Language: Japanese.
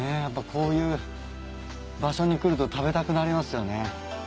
やっぱこういう場所に来ると食べたくなりますよね。